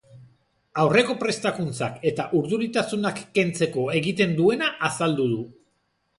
Aurreko prestakuntzak eta urduritasunak kentzeko egiten duena azaldu du.